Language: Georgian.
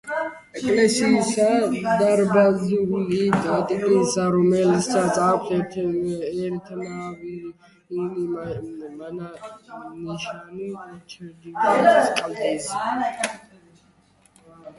ეკლესია დარბაზული ტიპისაა, რომელსაც აქვს ერთნავიანი მინაშენი ჩრდილოეთის კედელზე.